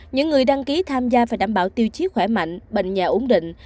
những người đăng ký tham gia phải đảm bảo tiêu chí khỏe mạnh bệnh nhà ổn định